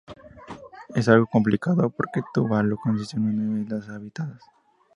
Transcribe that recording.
Es algo complicado porque Tuvalu consiste en nueve islas habitadas.